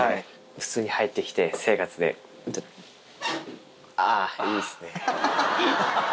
普通に入ってきて、生活で、ああ、いいですね。